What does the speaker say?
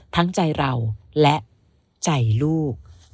ทั้งใจเราและใจลูก